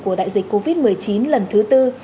của đại dịch covid một mươi chín lần thứ tư